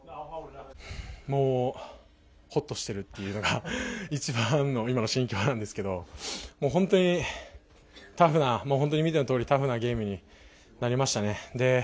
ほっとしてるっていうのが一番の今の心境なんですが本当にタフな見てのとおりタフなゲームになりましたね。